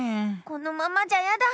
このままじゃヤダ！